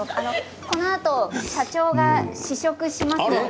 このあと社長が試食しますので。